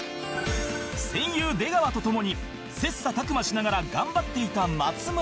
戦友出川と共に切磋琢磨しながら頑張っていた松村だが